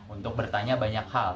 untuk bertanya banyak hal